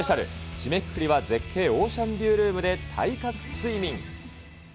締めくくりは、絶景オーシャンビュールームで体格睡眠。